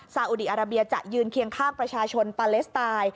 อุดีอาราเบียจะยืนเคียงข้างประชาชนปาเลสไตน์